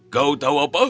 kau tahu apa